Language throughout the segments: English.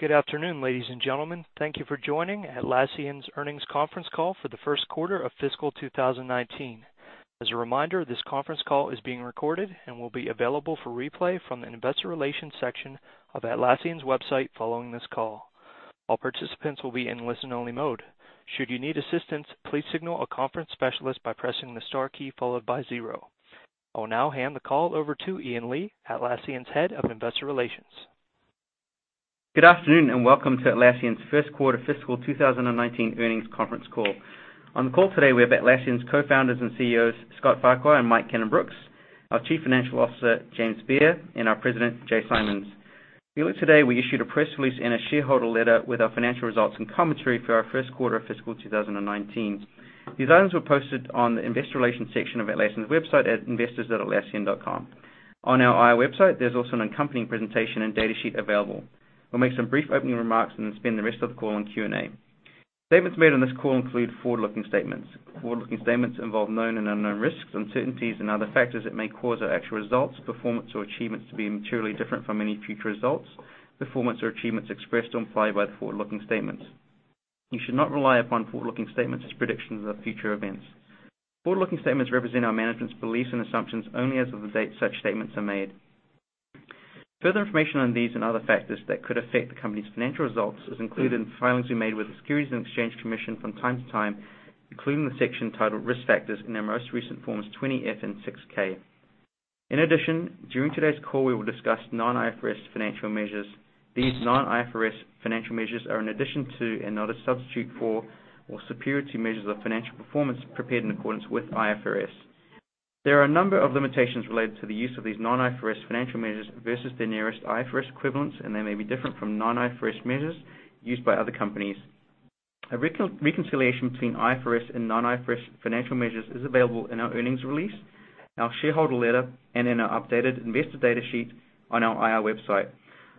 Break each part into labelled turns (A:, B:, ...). A: Good afternoon, ladies and gentlemen. Thank you for joining Atlassian's earnings conference call for the first quarter of fiscal 2019. As a reminder, this conference call is being recorded and will be available for replay from the investor relations section of Atlassian's website following this call. All participants will be in listen-only mode. Should you need assistance, please signal a conference specialist by pressing the star key followed by zero. I will now hand the call over to Ian Lee, Atlassian's Head of Investor Relations.
B: Good afternoon, welcome to Atlassian's first quarter fiscal 2019 earnings conference call. On the call today, we have Atlassian's co-founders and CEOs, Scott Farquhar and Mike Cannon-Brookes, our Chief Financial Officer, James Beer, and our President, Jay Simons. Earlier today, we issued a press release and a shareholder letter with our financial results and commentary for our first quarter of fiscal 2019. These items were posted on the investor relations section of Atlassian's website at investors.atlassian.com. On our IR website, there's also an accompanying presentation and data sheet available. We'll make some brief opening remarks then spend the rest of the call on Q&A. Statements made on this call include forward-looking statements. Forward-looking statements involve known and unknown risks, uncertainties, and other factors that may cause our actual results, performance, or achievements to be materially different from any future results, performance, or achievements expressed or implied by the forward-looking statements. You should not rely upon forward-looking statements as predictions of future events. Forward-looking statements represent our management's beliefs and assumptions only as of the date such statements are made. Further information on these and other factors that could affect the company's financial results is included in the filings we made with the Securities and Exchange Commission from time to time, including the section titled Risk Factors in our most recent Forms 20F and 6-K. In addition, during today's call, we will discuss non-IFRS financial measures. These non-IFRS financial measures are in addition to, and not a substitute for, or superior to measures of financial performance prepared in accordance with IFRS. There are a number of limitations related to the use of these non-IFRS financial measures versus their nearest IFRS equivalents. They may be different from non-IFRS measures used by other companies. A reconciliation between IFRS and non-IFRS financial measures is available in our earnings release, our shareholder letter, and in our updated investor data sheet on our IR website.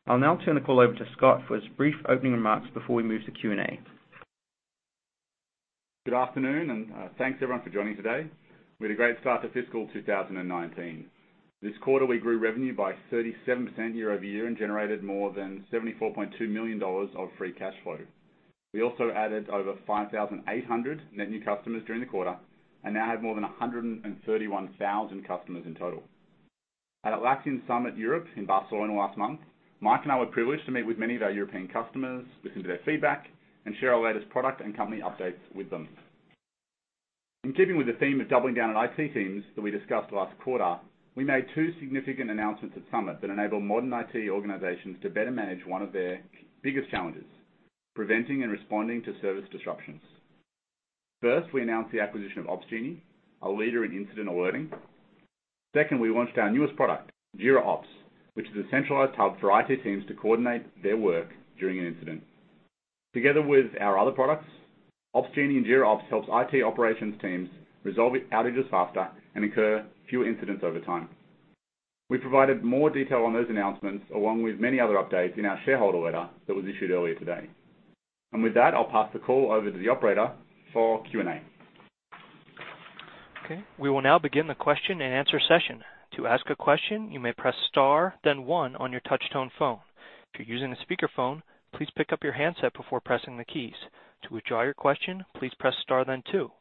B: I'll now turn the call over to Scott for his brief opening remarks before we move to Q&A.
C: Good afternoon. Thanks, everyone, for joining today. We had a great start to fiscal 2019. This quarter, we grew revenue by 37% year-over-year and generated more than $74.2 million of free cash flow. We also added over 5,800 net new customers during the quarter and now have more than 131,000 customers in total. At Atlassian Summit Europe in Barcelona last month, Mike and I were privileged to meet with many of our European customers, listen to their feedback, and share our latest product and company updates with them. In keeping with the theme of doubling down on IT teams that we discussed last quarter, we made two significant announcements at Summit that enable modern IT organizations to better manage one of their biggest challenges, preventing and responding to service disruptions. First, we announced the acquisition of Opsgenie, a leader in incident alerting. Second, we launched our newest product, Jira Ops, which is a centralized hub for IT teams to coordinate their work during an incident. Together with our other products, Opsgenie and Jira Ops helps IT operations teams resolve outages faster and incur fewer incidents over time. We provided more detail on those announcements, along with many other updates in our shareholder letter that was issued earlier today. With that, I'll pass the call over to the operator for Q&A.
A: Okay. We will now begin the question and answer session. To ask a question, you may press star, then one on your touchtone phone. If you're using a speakerphone, please pick up your handset before pressing the keys. To withdraw your question, please press star then two.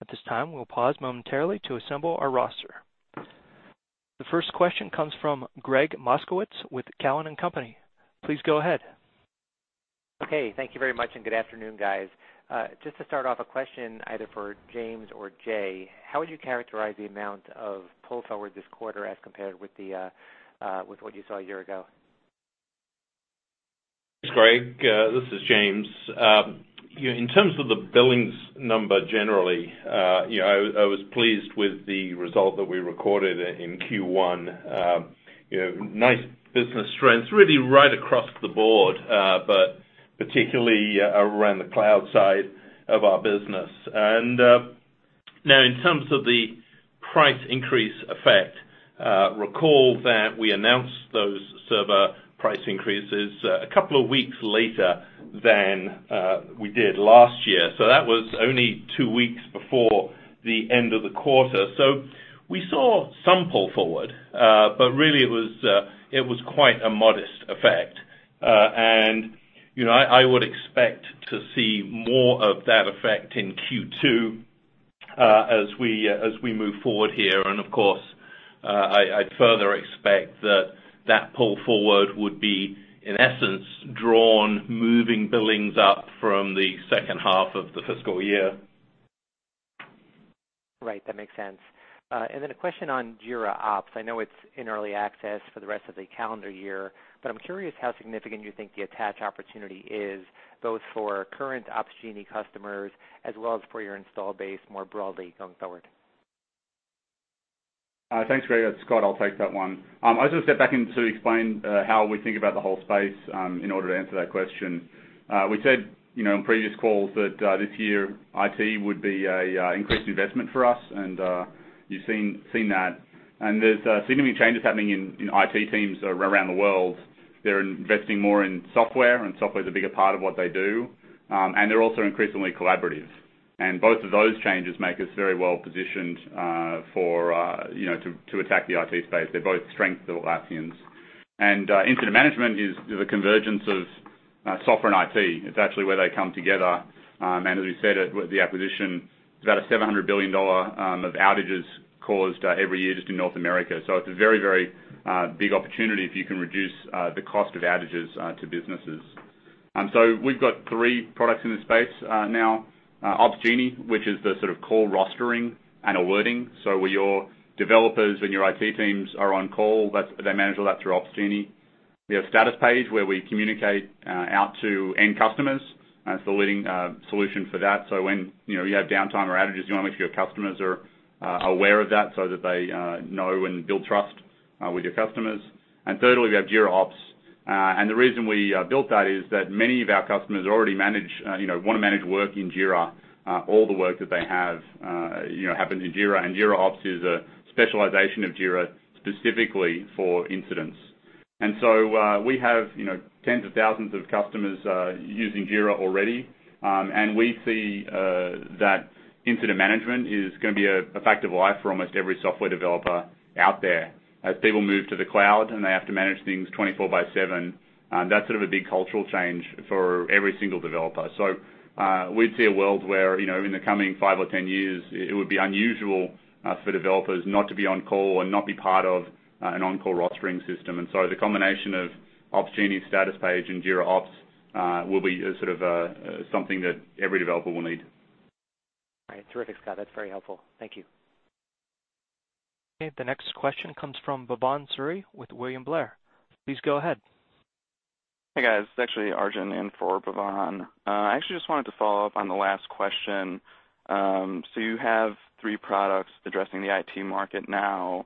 A: At this time, we'll pause momentarily to assemble our roster. The first question comes from Gregg Moskowitz with Cowen and Company. Please go ahead.
D: Okay. Thank you very much, and good afternoon, guys. Just to start off, a question either for James or Jay. How would you characterize the amount of pull forward this quarter as compared with what you saw a year ago?
E: Thanks, Gregg. This is James. In terms of the billings number, generally, I was pleased with the result that we recorded in Q1. Nice business trends really right across the board, but particularly around the cloud side of our business. Now in terms of the price increase effect, recall that we announced those server price increases a couple of weeks later than we did last year. That was only 2 weeks before the end of the quarter. We saw some pull forward, but really it was quite a modest effect. I would expect to see more of that effect in Q2 as we move forward here. Of course, I further expect that that pull forward would be, in essence, drawn moving billings up from the second half of the fiscal year.
D: Right. That makes sense. A question on Jira Ops. I know it's in early access for the rest of the calendar year, but I'm curious how significant you think the attach opportunity is, both for current Opsgenie customers as well as for your install base more broadly going forward.
C: Thanks, Gregg. It's Scott. I'll take that one. I'll just step back to explain how we think about the whole space in order to answer that question. We said in previous calls that this year, IT would be an increased investment for us, and you've seen that. There are significant changes happening in IT teams around the world. They're investing more in software, and software is a bigger part of what they do, and they're also increasingly collaborative. Both of those changes make us very well positioned to attack the IT space. They're both strengths of Atlassian's. Incident management is the convergence of software and IT. It's actually where they come together. As we said, with the acquisition, it's about a $700 billion of outages caused every year just in North America. It's a very big opportunity if you can reduce the cost of outages to businesses. We've got 3 products in this space now. Opsgenie, which is the sort of core rostering and alerting. Where your developers and your IT teams are on call, they manage all that through Opsgenie. We have Statuspage, where we communicate out to end customers, and it's the leading solution for that. When you have downtime or outages, you want to make sure your customers are aware of that so that they know and build trust with your customers. Thirdly, we have Jira Ops. The reason we built that is that many of our customers want to manage work in Jira. All the work that they have happens in Jira. Jira Ops is a specialization of Jira specifically for incidents. We have tens of thousands of customers using Jira already. We see that incident management is going to be a fact of life for almost every software developer out there, as people move to the cloud and they have to manage things 24/7. That's sort of a big cultural change for every single developer. We'd see a world where, in the coming five or 10 years, it would be unusual for developers not to be on call and not be part of an on-call rostering system. The combination of Opsgenie, Statuspage, and Jira Ops will be sort of something that every developer will need.
D: All right. Terrific, Scott. That's very helpful. Thank you.
A: Okay, the next question comes from Bhavan Suri with William Blair. Please go ahead.
F: Hey, guys. It's actually Arjun in for Bhavan. I actually just wanted to follow up on the last question. You have three products addressing the IT market now.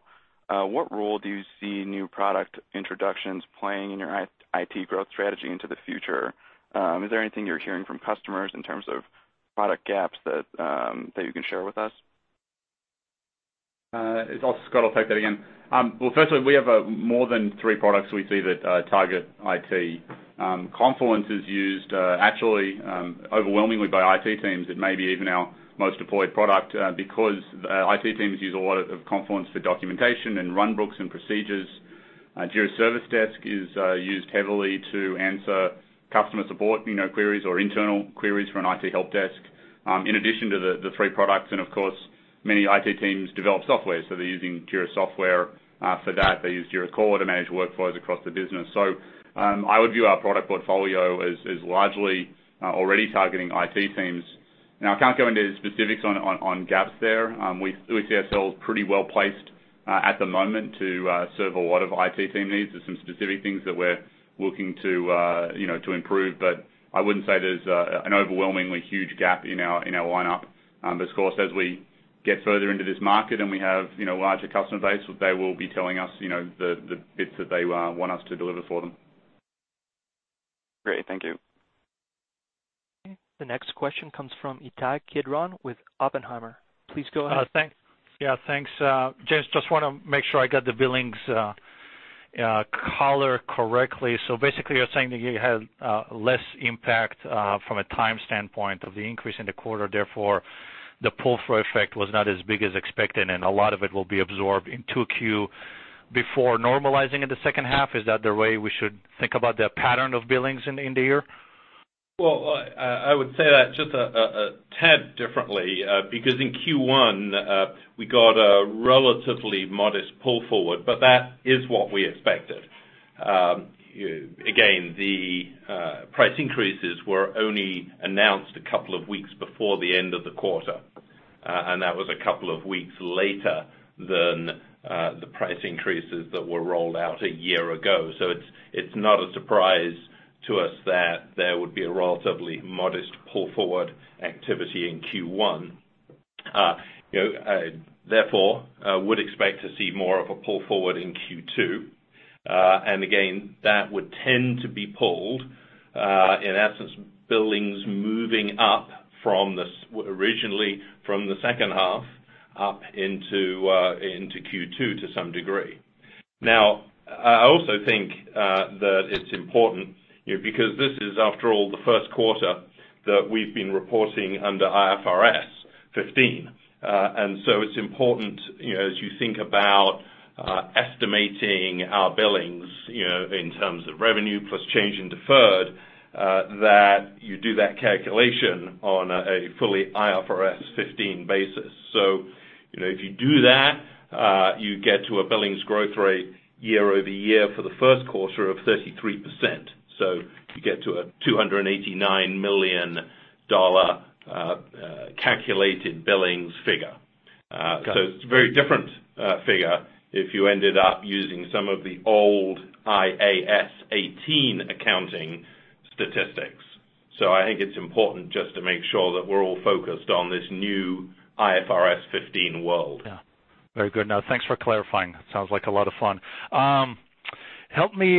F: What role do you see new product introductions playing in your IT growth strategy into the future? Is there anything you're hearing from customers in terms of product gaps that you can share with us?
C: It's Scott. I'll take that again. Well, firstly, we have more than three products we see that target IT. Confluence is used actually overwhelmingly by IT teams. It may be even our most deployed product, because IT teams use a lot of Confluence for documentation and runbooks and procedures. Jira Service Desk is used heavily to answer customer support queries or internal queries for an IT help desk. In addition to the three products, and of course, many IT teams develop software, so they're using Jira Software for that. They use Jira Core to manage workflows across the business. I would view our product portfolio as largely already targeting IT teams. Now, I can't go into specifics on gaps there. We see ourselves pretty well-placed at the moment to serve a lot of IT team needs. There's some specific things that we're looking to improve, but I wouldn't say there's an overwhelmingly huge gap in our lineup. Of course, as we get further into this market and we have larger customer base, they will be telling us the bits that they want us to deliver for them.
F: Great. Thank you.
A: Okay, the next question comes from Ittai Kidron with Oppenheimer. Please go ahead.
G: Yeah. Thanks. James, just want to make sure I got the billings color correctly. Basically, you're saying that you had less impact, from a time standpoint, of the increase in the quarter, therefore, the pull-through effect was not as big as expected, and a lot of it will be absorbed in 2Q before normalizing in the second half. Is that the way we should think about the pattern of billings in the year?
E: Well, I would say that just a tad differently. In Q1, we got a relatively modest pull forward, but that is what we expected. Again, the price increases were only announced a couple of weeks before the end of the quarter, and that was a couple of weeks later than the price increases that were rolled out a year ago. It's not a surprise to us that there would be a relatively modest pull-forward activity in Q1. Therefore, I would expect to see more of a pull forward in Q2. Again, that would tend to be pulled, in essence, billings moving up from originally from the second half up into Q2 to some degree. Now, I also think that it's important because this is, after all, the first quarter that we've been reporting under IFRS 15. It's important as you think about estimating our billings in terms of revenue plus change in deferred, that you do that calculation on a fully IFRS 15 basis. If you do that, you get to a billings growth rate year-over-year for the first quarter of 33%. You get to a $289 million calculated billings figure.
G: Got it.
E: It's a very different figure if you ended up using some of the old IAS 18 accounting statistics. I think it's important just to make sure that we're all focused on this new IFRS 15 world.
G: Very good. Thanks for clarifying. Sounds like a lot of fun. Help me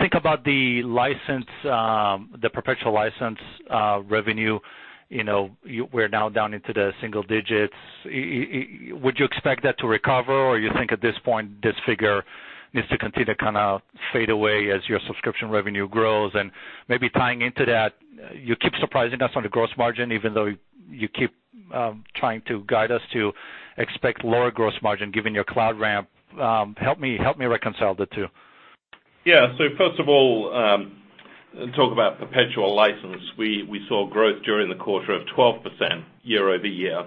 G: think about the perpetual license revenue. We're now down into the single digits. Would you expect that to recover, or you think at this point, this figure needs to continue to fade away as your subscription revenue grows. Maybe tying into that, you keep surprising us on the gross margin, even though you keep trying to guide us to expect lower gross margin given your cloud ramp. Help me reconcile the two.
E: First of all, talk about perpetual license. We saw growth during the quarter of 12% year-over-year.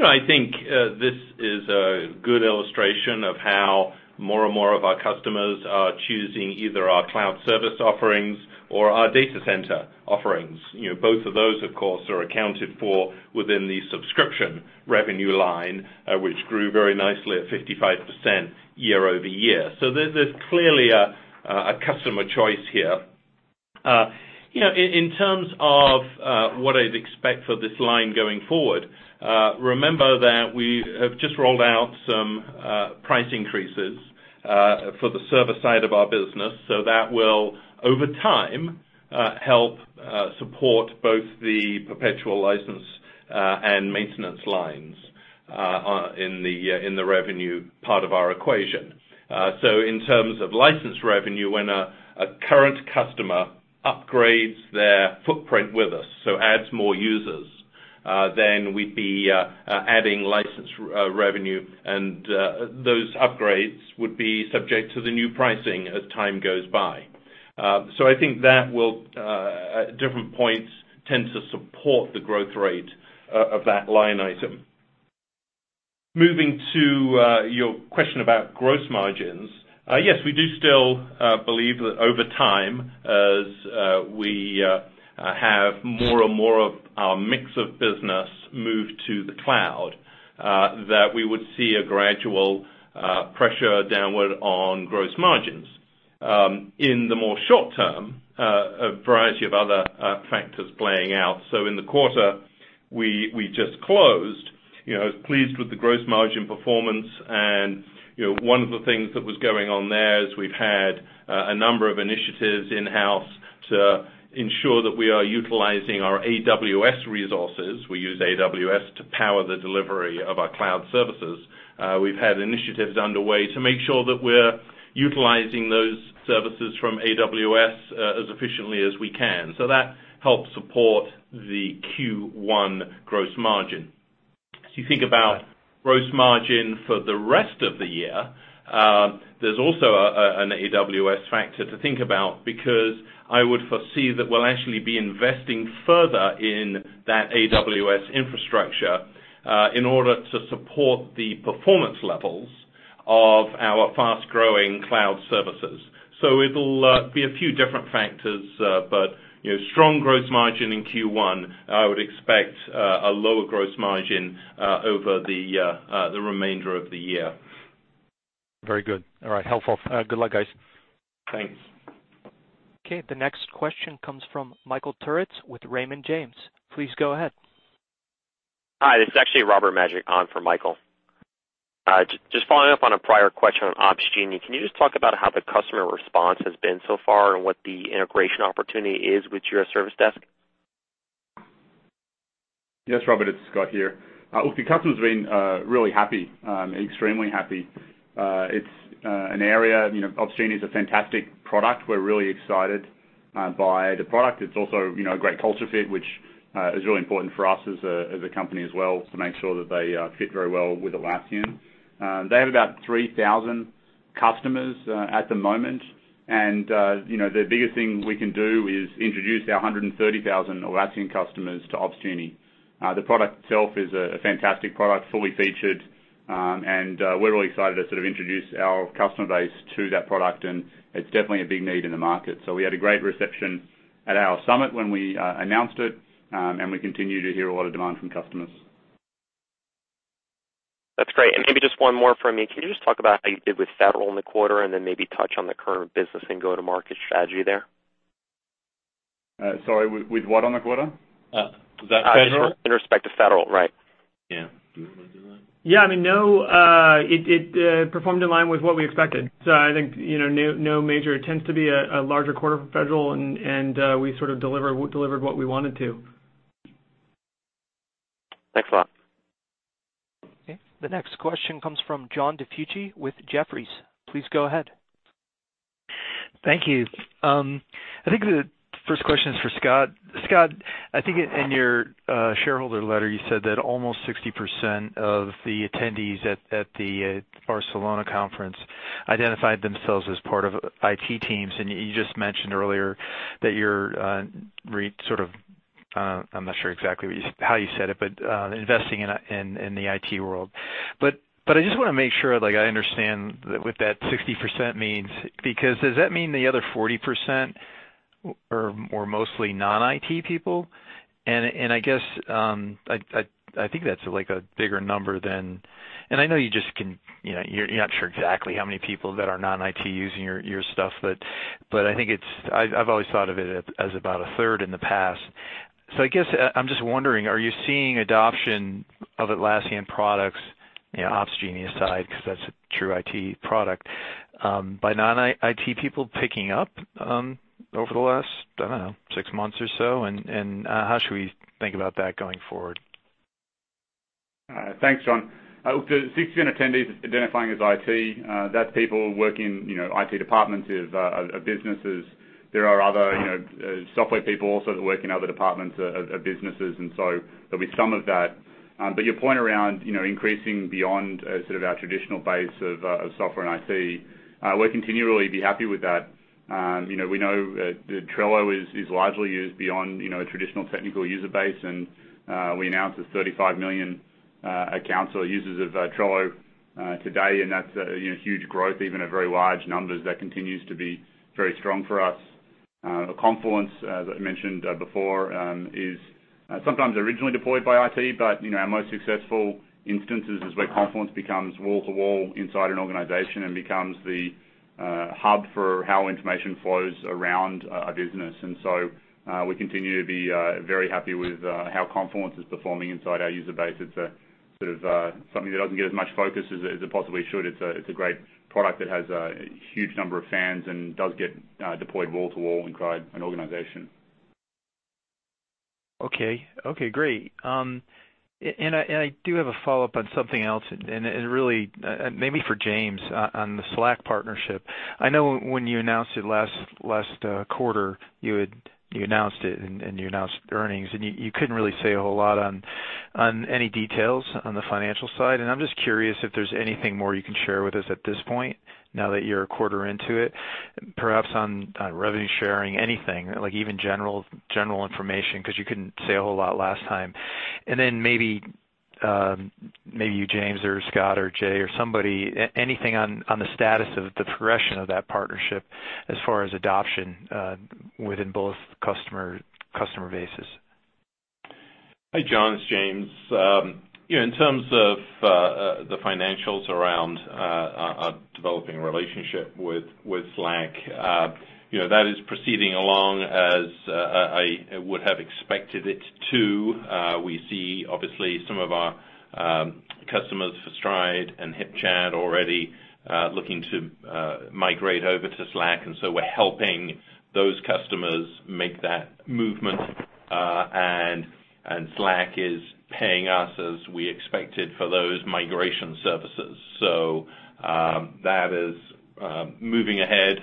E: I think this is a good illustration of how more and more of our customers are choosing either our cloud service offerings or our data center offerings. Both of those, of course, are accounted for within the subscription revenue line, which grew very nicely at 55% year-over-year. There's clearly a customer choice here. In terms of what I'd expect for this line going forward, remember that we have just rolled out some price increases for the server side of our business. That will, over time, help support both the perpetual license and maintenance lines in the revenue part of our equation. In terms of license revenue, when a current customer upgrades their footprint with us, so adds more users, then we'd be adding license revenue, and those upgrades would be subject to the new pricing as time goes by. I think that will, at different points, tend to support the growth rate of that line item. Moving to your question about gross margins. Yes, we do still believe that over time, as we have more and more of our mix of business move to the cloud, that we would see a gradual pressure downward on gross margins. In the more short term, a variety of other factors playing out. In the quarter we just closed, I was pleased with the gross margin performance, and one of the things that was going on there is we've had a number of initiatives in-house to ensure that we are utilizing our AWS resources. We use AWS to power the delivery of our cloud services. We've had initiatives underway to make sure that we're utilizing those services from AWS as efficiently as we can. That helped support the Q1 gross margin. As you think about gross margin for the rest of the year, there's also an AWS factor to think about because I would foresee that we'll actually be investing further in that AWS infrastructure in order to support the performance levels of our fast-growing cloud services. It'll be a few different factors, but strong gross margin in Q1. I would expect a lower gross margin over the remainder of the year.
G: Very good. All right. Helpful. Good luck, guys.
E: Thanks.
A: Okay. The next question comes from Michael Turrin with Raymond James. Please go ahead.
H: Hi, this is actually Robert Majek on for Michael. Just following up on a prior question on Opsgenie, can you just talk about how the customer response has been so far and what the integration opportunity is with Jira Service Desk?
C: Yes, Robert, it's Scott here. Look, the customers have been really happy, extremely happy. Opsgenie is a fantastic product. We're really excited by the product. It's also a great culture fit, which is really important for us as a company as well, to make sure that they fit very well with Atlassian. They have about 3,000 customers at the moment, and the biggest thing we can do is introduce our 130,000 Atlassian customers to Opsgenie. The product itself is a fantastic product, fully featured. We're really excited to sort of introduce our customer base to that product, and it's definitely a big need in the market. We had a great reception at our summit when we announced it, and we continue to hear a lot of demand from customers.
H: That's great. Maybe just one more from me. Can you just talk about how you did with federal in the quarter, then maybe touch on the current business and go-to-market strategy there?
C: Sorry, with what on the quarter?
E: Was that federal?
H: In respect to federal, right.
E: Yeah. Do you want to do that?
I: Yeah, it performed in line with what we expected. I think it tends to be a larger quarter for federal, and we sort of delivered what we wanted to.
H: Thanks a lot.
A: The next question comes from John DiFucci with Jefferies. Please go ahead.
J: Thank you. I think the first question is for Scott. Scott, I think in your shareholder letter, you said that almost 60% of the attendees at the Barcelona conference identified themselves as part of IT teams. I'm not sure exactly how you said it, but investing in the IT world. I just want to make sure, I understand what that 60% means. Does that mean the other 40% were mostly non-IT people? I think that's a bigger number than-- I know you're not sure exactly how many people that are non-IT using your stuff, but I've always thought of it as about a third in the past. I guess I'm just wondering, are you seeing adoption of Atlassian products, Opsgenie aside, because that's a true IT product, by non-IT people picking up over the last, I don't know, six months or so? How should we think about that going forward?
C: Thanks, John. Look, the 60% attendees identifying as IT, that's people working, IT departments of businesses. There are other software people also that work in other departments of businesses, and so there'll be some of that. Your point around increasing beyond sort of our traditional base of software and IT, we'll continually be happy with that. We know that Trello is largely used beyond a traditional technical user base, and we announced there's 35 million accounts or users of Trello today, and that's huge growth, even at very large numbers. That continues to be very strong for us. Confluence, as I mentioned before, is sometimes originally deployed by IT, but our most successful instances is where Confluence becomes wall-to-wall inside an organization and becomes the hub for how information flows around a business. We continue to be very happy with how Confluence is performing inside our user base. It's something that doesn't get as much focus as it possibly should. It's a great product that has a huge number of fans and does get deployed wall-to-wall inside an organization.
J: Okay. Okay, great. I do have a follow-up on something else, and really, maybe for James, on the Slack partnership. I know when you announced it last quarter, you announced it, and you announced earnings, and you couldn't really say a whole lot on any details on the financial side. I'm just curious if there's anything more you can share with us at this point now that you're a quarter into it, perhaps on revenue sharing, anything, like even general information, because you couldn't say a whole lot last time. Maybe you, James or Scott or Jay or somebody, anything on the status of the progression of that partnership as far as adoption within both customer bases.
E: Hey, John, it's James. In terms of the financials around our developing relationship with Slack, that is proceeding along as I would have expected it to. We see, obviously, some of our customers for Stride and HipChat already looking to migrate over to Slack. We're helping those customers make that movement. Slack is paying us as we expected for those migration services. That is moving ahead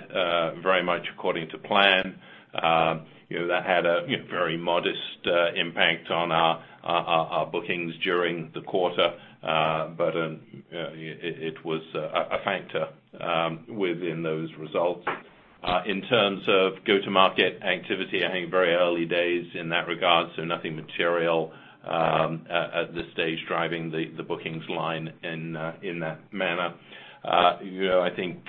E: very much according to plan. That had a very modest impact on our bookings during the quarter. It was a factor within those results. In terms of go-to-market activity, I think very early days in that regard, so nothing material at this stage driving the bookings line in that manner. I think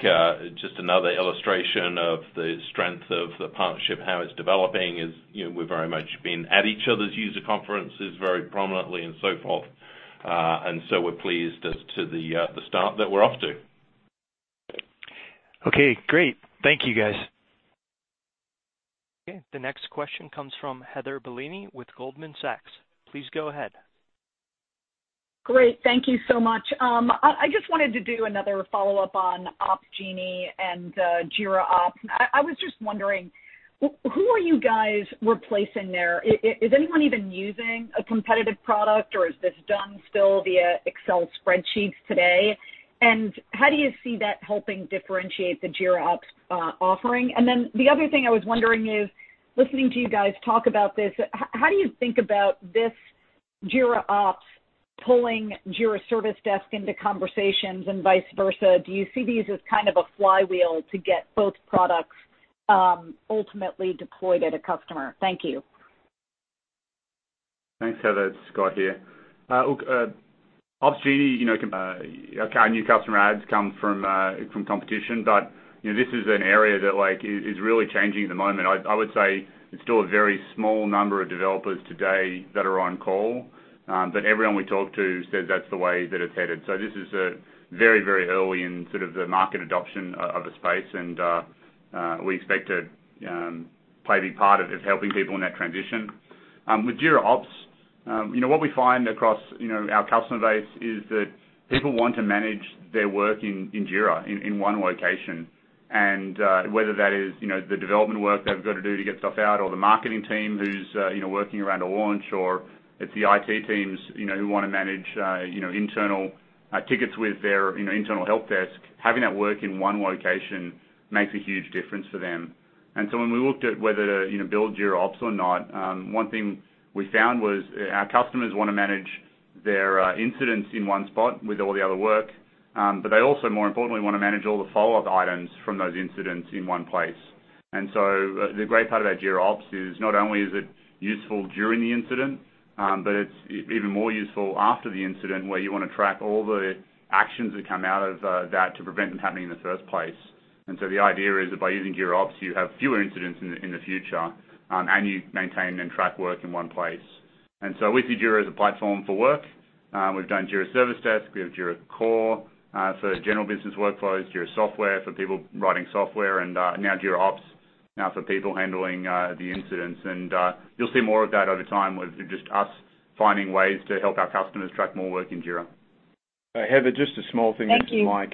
E: just another illustration of the strength of the partnership, how it's developing is we've very much been at each other's user conferences very prominently and so forth. We're pleased as to the start that we're off to.
J: Okay, great. Thank you, guys.
A: Okay, the next question comes from Heather Bellini with Goldman Sachs. Please go ahead.
K: Great. Thank you so much. I just wanted to do another follow-up on Opsgenie and Jira Ops. I was just wondering, who are you guys replacing there? Is anyone even using a competitive product, or is this done still via Excel spreadsheets today? How do you see that helping differentiate the Jira Ops offering? The other thing I was wondering is, listening to you guys talk about this, how do you think about this Jira Ops pulling Jira Service Desk into conversations and vice versa? Do you see these as kind of a flywheel to get both products ultimately deployed at a customer? Thank you.
C: Thanks, Heather. It's Scott here. Opsgenie, our new customer adds come from competition. This is an area that is really changing at the moment. I would say it's still a very small number of developers today that are on call. Everyone we talk to says that's the way that it's headed. This is very early in sort of the market adoption of the space, and we expect to play the part of helping people in that transition. With Jira Ops, what we find across our customer base is that people want to manage their work in Jira in one location. Whether that is the development work they've got to do to get stuff out or the marketing team who's working around a launch, or it's the IT teams who want to manage internal tickets with their internal help desk, having that work in one location makes a huge difference for them. When we looked at whether to build Jira Ops or not, one thing we found was our customers want to manage their incidents in one spot with all the other work. They also, more importantly, want to manage all the follow-up items from those incidents in one place. The great part about Jira Ops is not only is it useful during the incident, but it's even more useful after the incident, where you want to track all the actions that come out of that to prevent them happening in the first place. The idea is that by using Jira Ops, you have fewer incidents in the future, and you maintain and track work in one place. We see Jira as a platform for work. We've done Jira Service Desk. We have Jira Core for general business workflows, Jira Software for people writing software, and now Jira Ops for people handling the incidents. You'll see more of that over time with just us finding ways to help our customers track more work in Jira.
E: Heather, just a small thing.
K: Thank you
E: Just from Mike.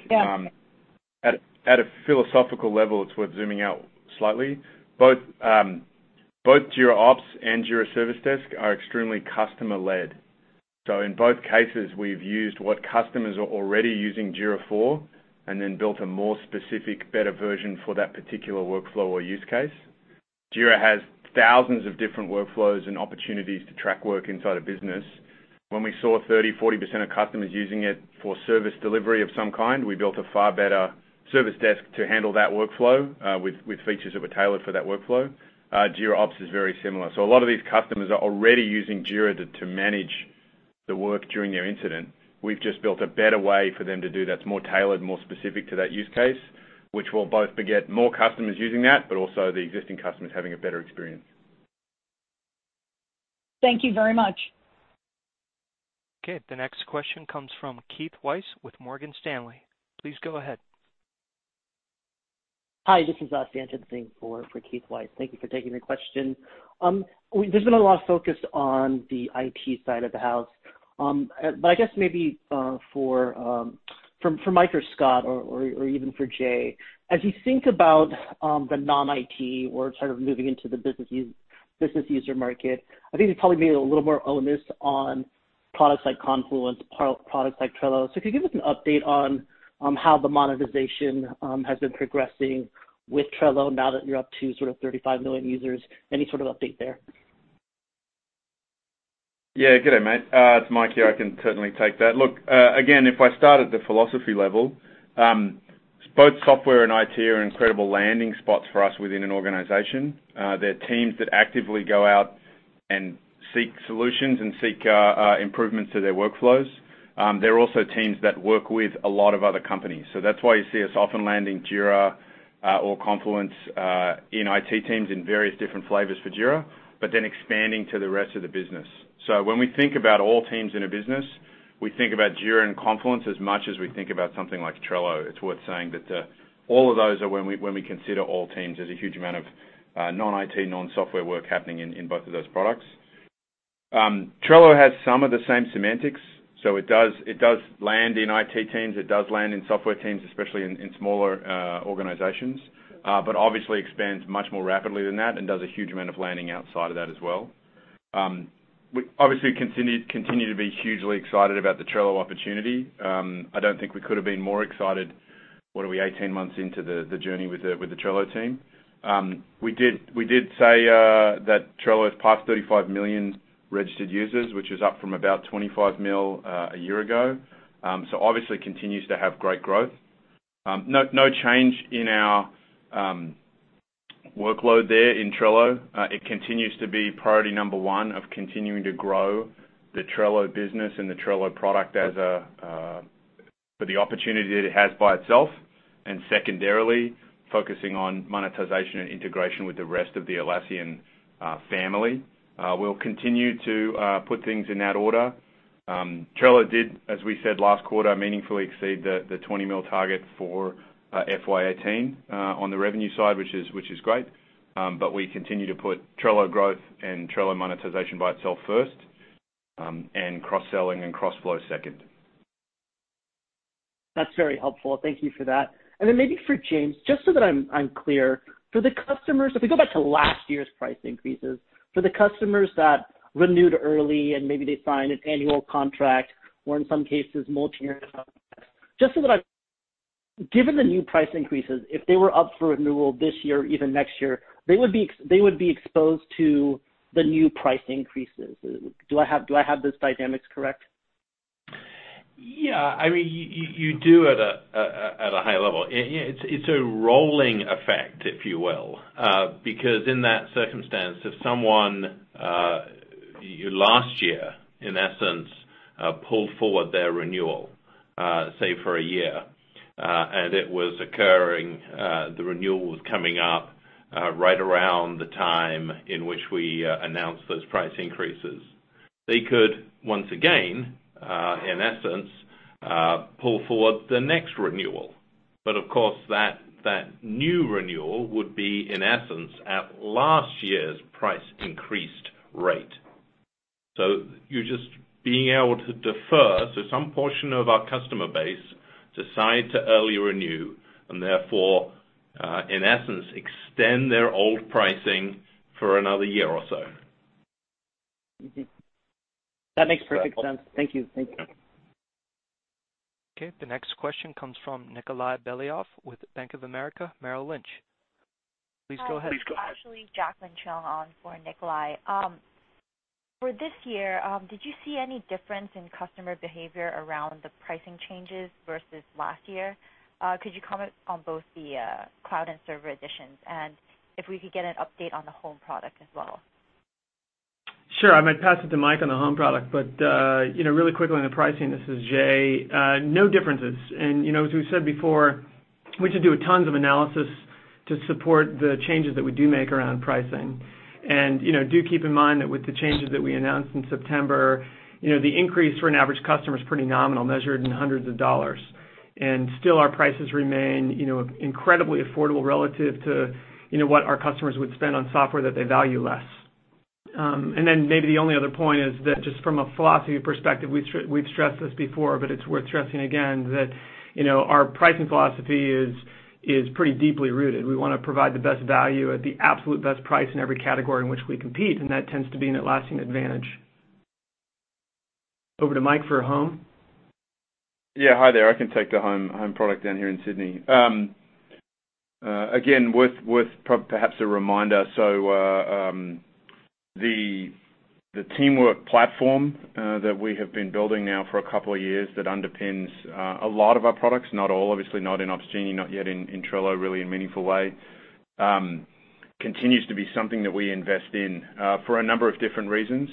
K: Yeah.
L: At a philosophical level, it's worth zooming out slightly. Both Jira Ops and Jira Service Desk are extremely customer-led. In both cases, we've used what customers are already using Jira for and then built a more specific, better version for that particular workflow or use case. Jira has thousands of different workflows and opportunities to track work inside a business. When we saw 30%-40% of customers using it for service delivery of some kind, we built a far better Jira Service Desk to handle that workflow, with features that were tailored for that workflow. Jira Ops is very similar. A lot of these customers are already using Jira to manage the work during their incident. We've just built a better way for them to do that. It's more tailored, more specific to that use case, which will both beget more customers using that, but also the existing customers having a better experience.
K: Thank you very much.
A: Okay. The next question comes from Keith Weiss with Morgan Stanley. Please go ahead.
M: Hi, this is Stan attending for Keith Weiss. Thank you for taking my question. There's been a lot of focus on the IT side of the house. I guess maybe for Mike or Scott or even for Jay, as you think about the non-IT or sort of moving into the business user market, I think there's probably been a little more onus on products like Confluence, products like Trello. If you could give us an update on how the monetization has been progressing with Trello now that you're up to sort of 35 million users. Any sort of update there?
L: Good day, mate. It's Mike here. I can certainly take that. Look, again, if I start at the philosophy level, both software and IT are incredible landing spots for us within an organization. They're teams that actively go out and seek solutions and seek improvements to their workflows. They're also teams that work with a lot of other companies. That's why you see us often landing Jira or Confluence in IT teams in various different flavors for Jira, but then expanding to the rest of the business. When we think about all teams in a business, we think about Jira and Confluence as much as we think about something like Trello. It's worth saying that all of those are when we consider all teams. There's a huge amount of non-IT, non-software work happening in both of those products. Trello has some of the same semantics. It does land in IT teams. It does land in software teams, especially in smaller organizations. Obviously expands much more rapidly than that and does a huge amount of landing outside of that as well. We obviously continue to be hugely excited about the Trello opportunity. I don't think we could have been more excited, what are we, 18 months into the journey with the Trello team. We did say that Trello has passed 35 million registered users, which is up from about $25 million, a year ago. Obviously continues to have great growth. No change in our workload there in Trello. It continues to be priority number 1 of continuing to grow the Trello business and the Trello product for the opportunity that it has by itself, and secondarily, focusing on monetization and integration with the rest of the Atlassian family. We'll continue to put things in that order. Trello did, as we said last quarter, meaningfully exceed the $20 million target for FY 2018 on the revenue side, which is great. We continue to put Trello growth and Trello monetization by itself first, and cross-selling and cross-flow second.
M: That's very helpful. Thank you for that. Then maybe for James, just so that I'm clear. If we go back to last year's price increases. For the customers that renewed early and maybe they signed an annual contract or in some cases multi-year contracts. Given the new price increases, if they were up for renewal this year or even next year, they would be exposed to the new price increases. Do I have those dynamics correct?
E: Yeah. You do at a high level. It's a rolling effect, if you will. In that circumstance, if someone, last year, in essence, pulled forward their renewal, say, for a year, and the renewal was coming up right around the time in which we announced those price increases. They could, once again, in essence, pull forward the next renewal. Of course, that new renewal would be, in essence, at last year's price increased rate. You're just being able to defer. Some portion of our customer base decide to early renew and therefore, in essence, extend their old pricing for another year or so.
M: That makes perfect sense. Thank you.
E: Okay.
A: Okay. The next question comes from Nikolay Beliov with Bank of America Merrill Lynch. Please go ahead.
N: Hi. Actually, Jacqueline Cheong on for Nikolay. For this year, did you see any difference in customer behavior around the pricing changes versus last year? Could you comment on both the cloud and server editions? If we could get an update on the Home product as well.
I: Sure. I might pass it to Mike on the Home product, really quickly on the pricing, this is Jay. No differences. As we've said before, we should do tons of analysis to support the changes that we do make around pricing. Do keep in mind that with the changes that we announced in September, the increase for an average customer is pretty nominal, measured in hundreds of dollars. Still our prices remain incredibly affordable relative to what our customers would spend on software that they value less. Then maybe the only other point is that just from a philosophy perspective, we've stressed this before, but it's worth stressing again that our pricing philosophy is pretty deeply rooted. We want to provide the best value at the absolute best price in every category in which we compete, and that tends to be an Atlassian advantage. Over to Mike for Home.
L: Yeah. Hi there. I can take the Home product down here in Sydney. Again, worth perhaps a reminder. The Teamwork platform that we have been building now for a couple of years that underpins a lot of our products, not all obviously, not in Opsgenie, not yet in Trello really in a meaningful way, continues to be something that we invest in for a number of different reasons.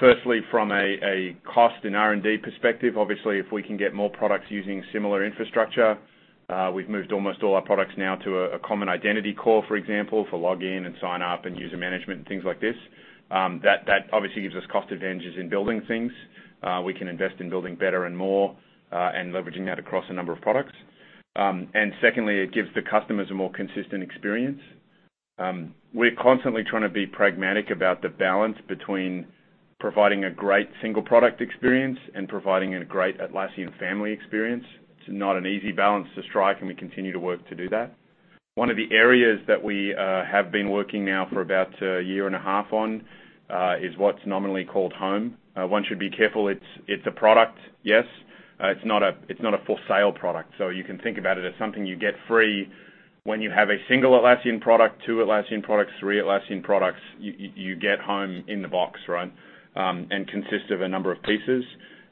L: Firstly, from a cost and R&D perspective, obviously, if we can get more products using similar infrastructure, we've moved almost all our products now to a common identity core, for example, for login and sign-up and user management and things like this. That obviously gives us cost advantages in building things. We can invest in building better and more, and leveraging that across a number of products. Secondly, it gives the customers a more consistent experience. We're constantly trying to be pragmatic about the balance between providing a great single product experience and providing a great Atlassian family experience. It's not an easy balance to strike, and we continue to work to do that. One of the areas that we have been working now for about a year and a half on is what's nominally called Home. One should be careful, it's a product, yes. It's not a for-sale product. You can think about it as something you get free when you have a single Atlassian product, two Atlassian products, three Atlassian products. You get Home in the box. Consists of a number of pieces.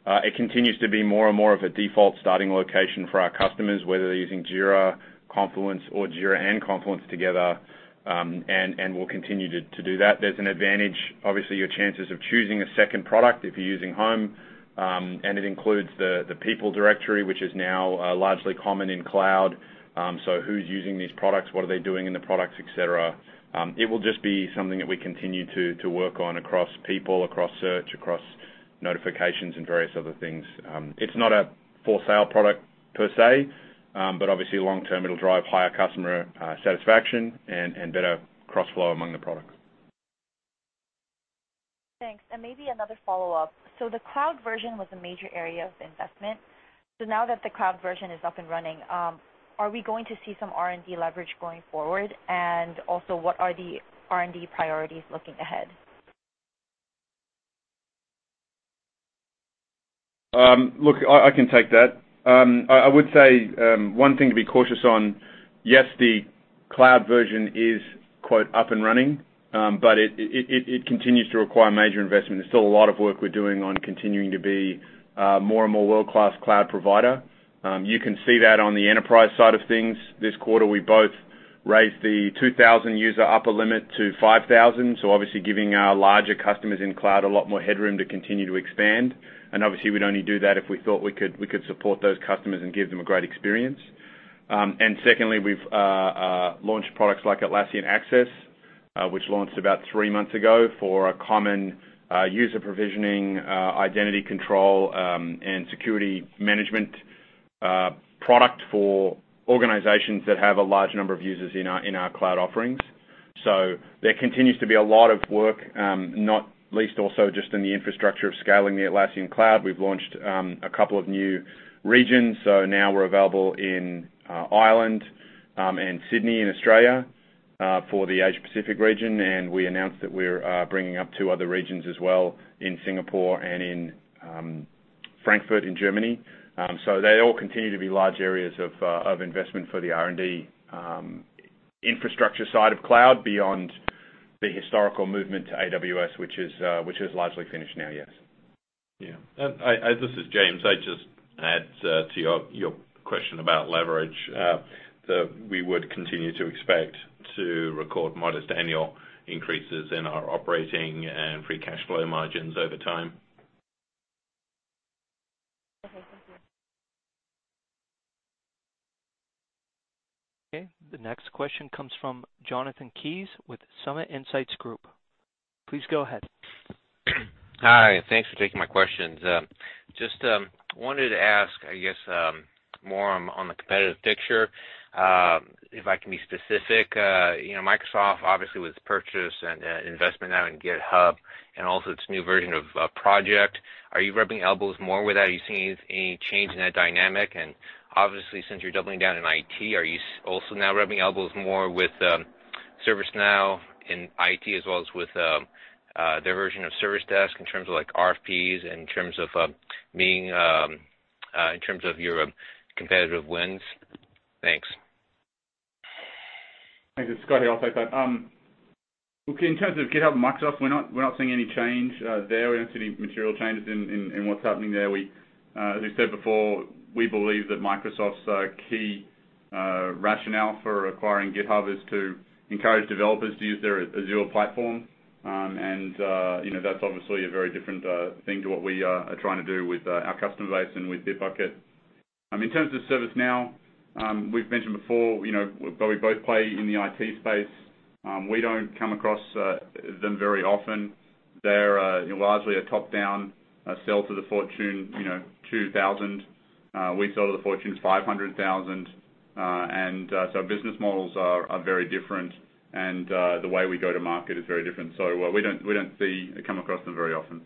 L: It continues to be more and more of a default starting location for our customers, whether they're using Jira, Confluence, or Jira and Confluence together, and we'll continue to do that. There's an advantage, obviously, your chances of choosing a second product if you're using Home, and it includes the people directory, which is now largely common in cloud. Who's using these products? What are they doing in the products, et cetera? It will just be something that we continue to work on across people, across search, across notifications and various other things. It's not a for-sale product per se. Obviously long term, it'll drive higher customer satisfaction and better cross-flow among the products.
N: Thanks. Maybe another follow-up. The cloud version was a major area of investment. Now that the cloud version is up and running, are we going to see some R&D leverage going forward? Also, what are the R&D priorities looking ahead?
L: Look, I can take that. I would say, one thing to be cautious on, yes, the cloud version is quote up and running. It continues to require major investment. There's still a lot of work we're doing on continuing to be a more and more world-class cloud provider. You can see that on the enterprise side of things. This quarter, we both raised the 2,000 user upper limit to 5,000. Obviously giving our larger customers in cloud a lot more headroom to continue to expand. Obviously we'd only do that if we thought we could support those customers and give them a great experience. Secondly, we've launched products like Atlassian Access, which launched about three months ago for a common user provisioning, identity control, and security management product for organizations that have a large number of users in our cloud offerings. There continues to be a lot of work, not least also just in the infrastructure of scaling the Atlassian cloud. We've launched a couple of new regions. Now we're available in Ireland and Sydney in Australia, for the Asia Pacific region. We announced that we're bringing up two other regions as well in Singapore and in Frankfurt in Germany. They all continue to be large areas of investment for the R&D infrastructure side of cloud beyond the historical movement to AWS, which is largely finished now, yes.
E: Yeah. This is James. I just add to your question about leverage, that we would continue to expect to record modest annual increases in our operating and free cash flow margins over time.
N: Okay. Thank you.
A: Okay. The next question comes from Jonathan Kees with Summit Insights Group. Please go ahead.
O: Hi, thanks for taking my questions. Just wanted to ask, I guess, more on the competitive picture. If I can be specific, Microsoft obviously with purchase and investment now in GitHub and also its new version of Project, are you rubbing elbows more with that? Are you seeing any change in that dynamic? Obviously, since you're doubling down in IT, are you also now rubbing elbows more with ServiceNow in IT as well as with their version of Service Desk in terms of RFPs, in terms of meeting, in terms of your competitive wins? Thanks.
C: Thanks. It's Scott here. I'll take that. Look, in terms of GitHub and Microsoft, we're not seeing any change there. We don't see any material changes in what's happening there. As we said before, we believe that Microsoft's key rationale for acquiring GitHub is to encourage developers to use their Azure platform. That's obviously a very different thing to what we are trying to do with our customer base and with Bitbucket. In terms of ServiceNow, we've mentioned before, though we both play in the IT space, we don't come across them very often. They're largely a top-down sell to the Fortune 2,000. We sell to the Fortune 500,000. Our business models are very different, and the way we go to market is very different. We don't come across them very often.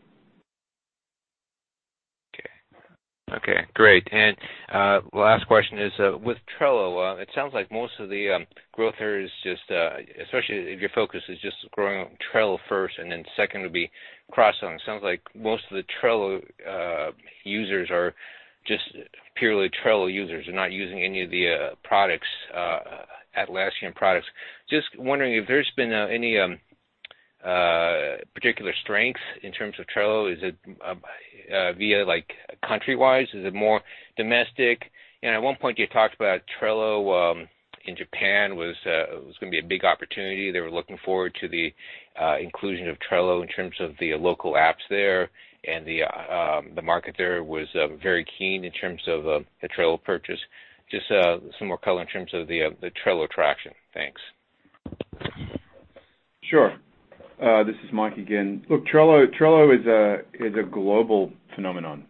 O: Last question is, with Trello, it sounds like most of the growth there is just, especially if your focus is just growing Trello first and then second would be cross-functional work. Sounds like most of the Trello users are just purely Trello users and not using any of the Atlassian products. Just wondering if there's been any particular strengths in terms of Trello. Is it via country-wise? Is it more domestic? At one point, you talked about Trello in Japan was going to be a big opportunity. They were looking forward to the inclusion of Trello in terms of the local apps there, and the market there was very keen in terms of the Trello purchase. Just some more color in terms of the Trello traction. Thanks.
L: Sure. This is Mike again. Look, Trello is a global phenomenon.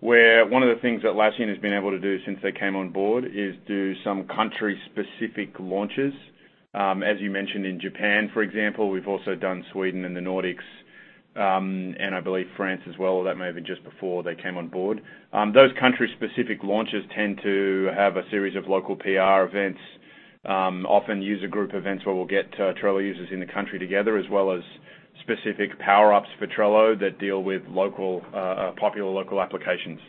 L: Where one of the things Atlassian has been able to do since they came on board is do some country-specific launches. As you mentioned, in Japan, for example. We've also done Sweden and the Nordics, and I believe France as well. That may have been just before they came on board. Those country-specific launches tend to have a series of local PR events, often user group events where we'll get Trello users in the country together, as well as specific power-ups for Trello that deal with popular local applications.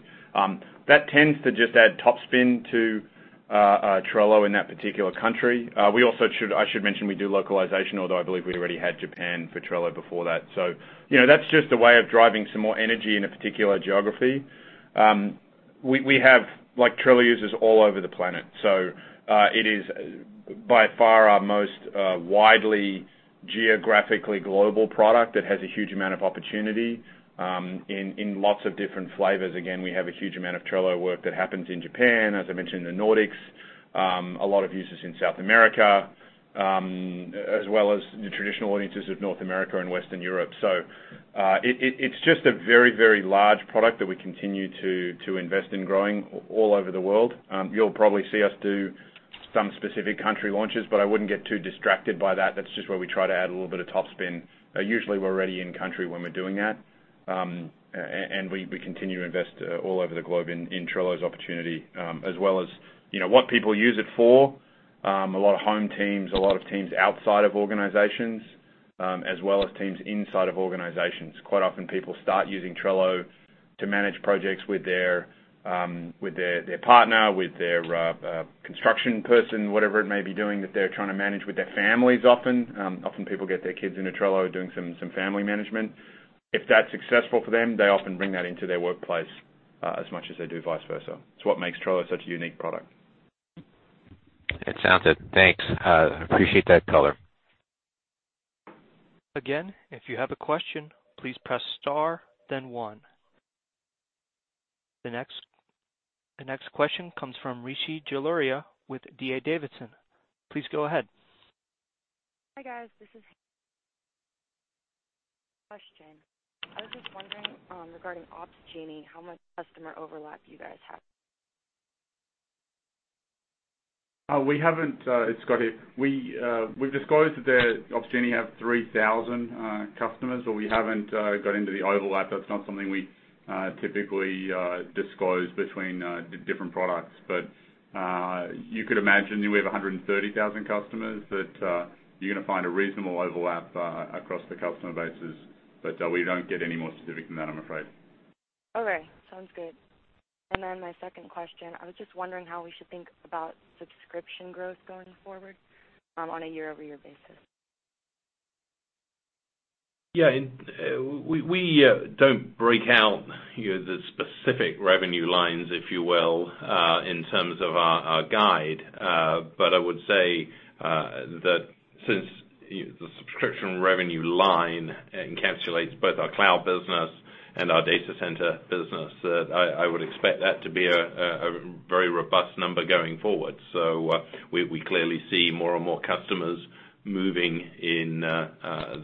L: That tends to just add top spin to Trello in that particular country. I should mention we do localization, although I believe we already had Japan for Trello before that. That's just a way of driving some more energy in a particular geography. We have Trello users all over the planet. It is by far our most widely geographically global product. It has a huge amount of opportunity in lots of different flavors. Again, we have a huge amount of Trello work that happens in Japan. As I mentioned, the Nordics. A lot of users in South America, as well as the traditional audiences of North America and Western Europe. It's just a very large product that we continue to invest in growing all over the world. You'll probably see us do some specific country launches, but I wouldn't get too distracted by that. That's just where we try to add a little bit of top spin. Usually, we're already in-country when we're doing that. We continue to invest all over the globe in Trello's opportunity. As well as what people use it for. A lot of home teams, a lot of teams outside of organizations, as well as teams inside of organizations. Quite often, people start using Trello to manage projects with their partner, with their construction person, whatever it may be doing that they're trying to manage with their families often. Often people get their kids into Trello doing some family management. If that's successful for them, they often bring that into their workplace as much as they do vice versa. It's what makes Trello such a unique product.
O: It sounds it. Thanks. I appreciate that color.
A: If you have a question, please press star, then one. The next question comes from Rishi Jaluria with D.A. Davidson. Please go ahead.
P: Hi, guys. I was just wondering, regarding Opsgenie, how much customer overlap you guys have?
C: It's Scott here. We've disclosed that Opsgenie have 3,000 customers, we haven't got into the overlap. That's not something we typically disclose between different products. You could imagine, we have 130,000 customers, that you're going to find a reasonable overlap across the customer bases. We don't get any more specific than that, I'm afraid.
P: Okay. Sounds good. My second question. I was just wondering how we should think about subscription growth going forward on a year-over-year basis.
E: Yeah. We don't break out the specific revenue lines, if you will, in terms of our guide. I would say that since the subscription revenue line encapsulates both our cloud business and our data center business, that I would expect that to be a very robust number going forward. We clearly see more and more customers moving in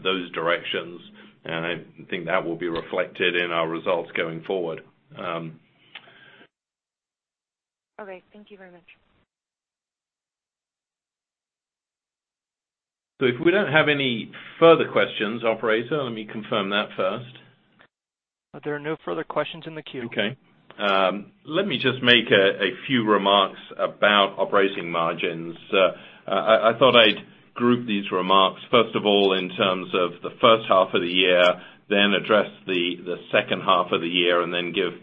E: those directions, and I think that will be reflected in our results going forward.
P: Okay. Thank you very much.
E: If we don't have any further questions, operator, let me confirm that first.
A: There are no further questions in the queue.
E: Okay. Let me just make a few remarks about operating margins. I thought I'd group these remarks, first of all, in terms of the first half of the year, then address the second half of the year, and then give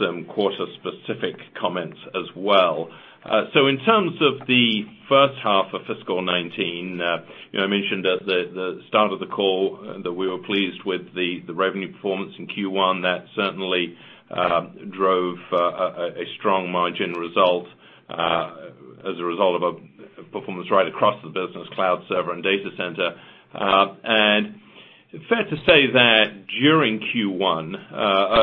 E: some quarter-specific comments as well. In terms of the first half of FY 2019, I mentioned at the start of the call that we were pleased with the revenue performance in Q1. That certainly drove a strong margin result as a result of performance right across the business, cloud, server, and data center. Fair to say that during Q1,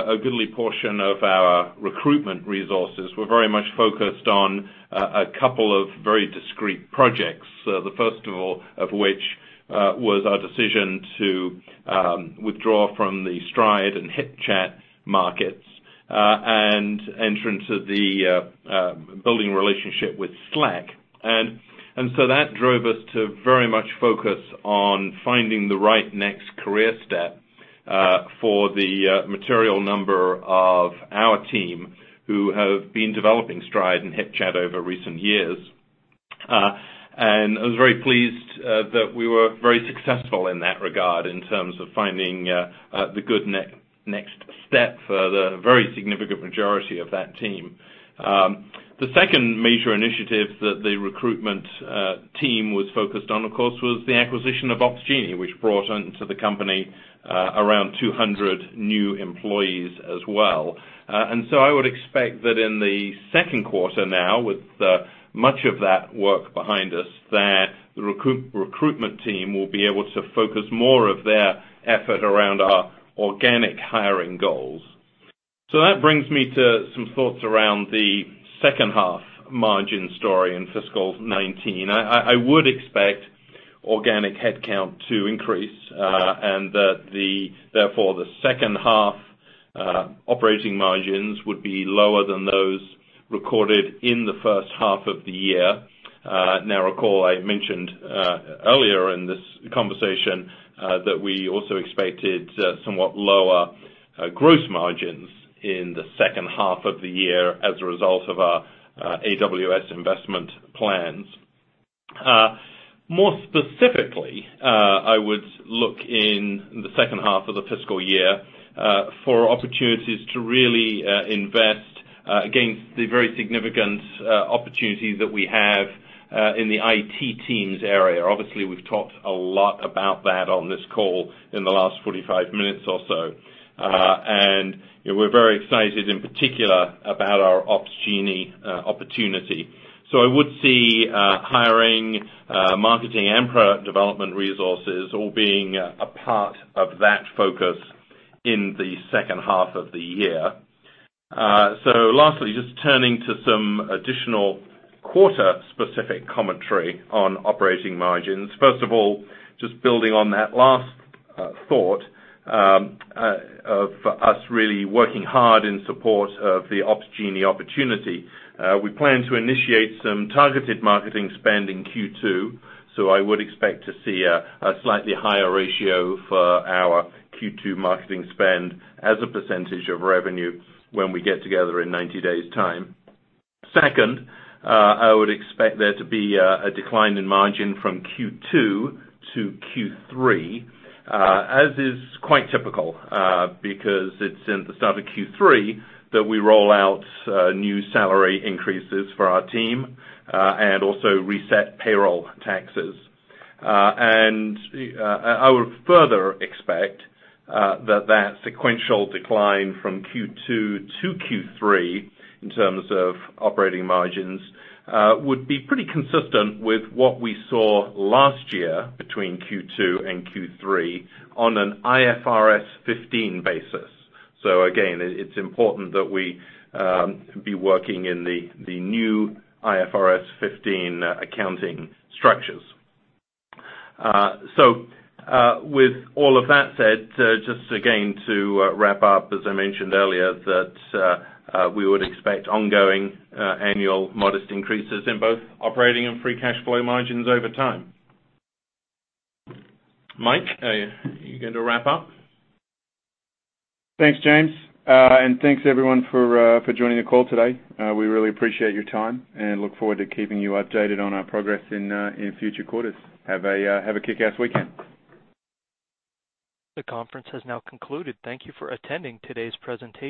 E: a goodly portion of our recruitment resources were very much focused on a couple of very discrete projects. The first of all of which Was our decision to withdraw from the Stride and HipChat markets, and entrance of the building relationship with Slack. That drove us to very much focus on finding the right next career step for the material number of our team who have been developing Stride and HipChat over recent years. I was very pleased that we were very successful in that regard, in terms of finding the good next step for the very significant majority of that team. The second major initiative that the recruitment team was focused on, of course, was the acquisition of Opsgenie, which brought into the company around 200 new employees as well. I would expect that in the second quarter now, with much of that work behind us, that the recruitment team will be able to focus more of their effort around our organic hiring goals. That brings me to some thoughts around the second half margin story in FY 2019. I would expect organic headcount to increase. That therefore, the second half operating margins would be lower than those recorded in the first half of the year. Now recall, I mentioned earlier in this conversation, that we also expected somewhat lower gross margins in the second half of the year as a result of our AWS investment plans. More specifically, I would look in the second half of the fiscal year, for opportunities to really invest against the very significant opportunities that we have in the IT teams area. Obviously, we've talked a lot about that on this call in the last 45 minutes or so. We're very excited, in particular, about our Opsgenie opportunity. I would see hiring marketing and product development resources all being a part of that focus in the second half of the year. Lastly, just turning to some additional quarter-specific commentary on operating margins. First of all, just building on that last thought, of us really working hard in support of the Opsgenie opportunity. We plan to initiate some targeted marketing spend in Q2, so I would expect to see a slightly higher ratio for our Q2 marketing spend as a percentage of revenue when we get together in 90 days time. Second, I would expect there to be a decline in margin from Q2 to Q3, as is quite typical, because it's in the start of Q3 that we roll out new salary increases for our team, and also reset payroll taxes. I would further expect that sequential decline from Q2 to Q3, in terms of operating margins, would be pretty consistent with what we saw last year between Q2 and Q3 on an IFRS 15 basis. Again, it's important that we be working in the new IFRS 15 accounting structures. With all of that said, just again to wrap up, as I mentioned earlier that we would expect ongoing annual modest increases in both operating and free cash flow margins over time. Mike, are you going to wrap up?
L: Thanks, James. Thanks everyone for joining the call today. We really appreciate your time and look forward to keeping you updated on our progress in future quarters. Have a kick-ass weekend.
A: The conference has now concluded. Thank you for attending today's presentation.